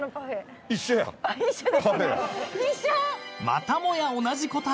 ［またもや同じ答え］